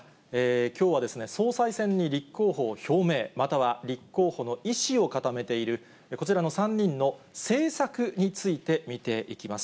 きょうは総裁選に立候補を表明、または立候補の意志を固めているこちらの３人の政策について見ていきます。